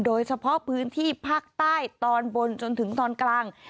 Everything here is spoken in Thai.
โดยเฉพาะพื้นที่ภาคใต้ตอนบนจนถึงตอนกลาง